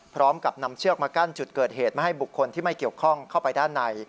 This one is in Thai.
พร้อมกับนำเชือกมากั้นจุดเกิดเหตุไม่ให้บุคคลที่ไม่เกี่ยวข้องเข้าไปด้านใน